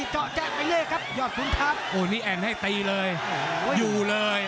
เจาะแจ๊ไปเลยครับยอดขุนทัพโอ้นี่แอ่นให้ตีเลยอยู่เลย